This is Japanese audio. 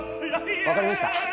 わかりました。